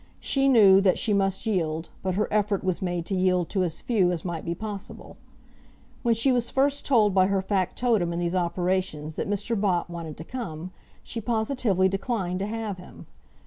She knew that she must yield, but her effort was made to yield to as few as might be possible. When she was first told by her factotum in these operations that Mr. Bott wanted to come, she positively declined to have him.